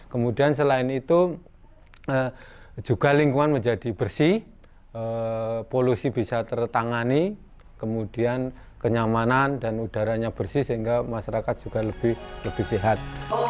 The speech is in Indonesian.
jadi juga lingkungan menjadi bersih polusi bisa tertangani kemudian kenyamanan dan udaranya bersih sehingga masyarakat juga lebih sihat